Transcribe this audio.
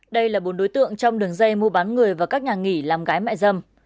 đây là bốn đối tượng trong đường dây mua bán người và các nhà nghỉ làm gái mại dâm